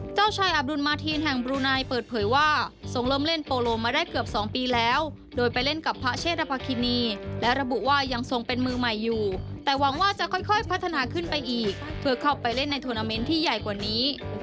เจ้าชายอับดุลมาทีนแห่งบลูไนเปิดเผยว่าทรงเริ่มเล่นโปโลมาได้เกือบ๒ปีแล้วโดยไปเล่นกับพระเชษฐภินีและระบุว่ายังทรงเป็นมือใหม่อยู่แต่หวังว่าจะค่อยพัฒนาขึ้นไปอีกเพื่อเข้าไปเล่นในทวนาเมนต์ที่ใหญ่กว่านี้